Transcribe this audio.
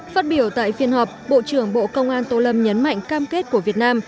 phát biểu tại phiên họp bộ trưởng bộ công an tô lâm nhấn mạnh cam kết của việt nam